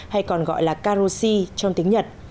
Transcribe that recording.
hay còn gọi là karoshi trong tiếng nhật